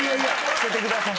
捨ててください。